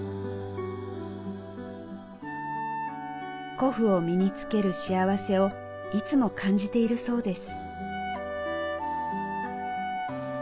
古布を身に着ける幸せをいつも感じているそうです。